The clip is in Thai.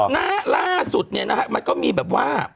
ล่าสุดเนี่ยนะฮะมันก็มีแบบว่า